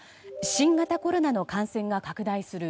新型コロナの感染が拡大する